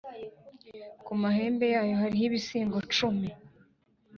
Ku mahembe yayo hariho ibisingo cumi,